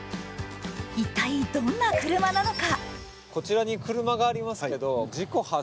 一体どんな車なのか。